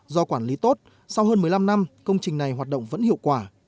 do quản lý tốt sau hơn một mươi năm năm công trình này hoạt động vẫn hiệu quả